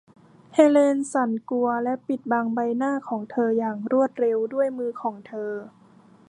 เฮเลนสั่นกลัวและปิดบังใบหน้าของเธออย่างรวดเร็วด้วยมือของเธอ